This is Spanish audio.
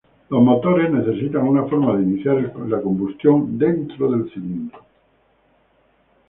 Los motores necesitan una forma de iniciar la combustión dentro del cilindro.